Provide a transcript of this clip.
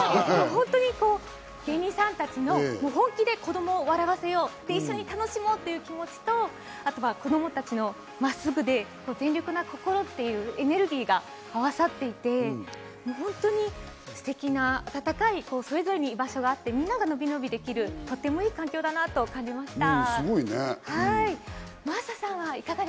本当に芸人さんたちの本気で子供を笑わせよう、一緒に楽しもうという気持ちと、あとは子供たちの真っすぐで全力な心っていうエネルギーがあわさっていて、本当にすてきな温かい、それぞれに居場所があって、みんながのびのびできるとてもいい環境だなと感じました。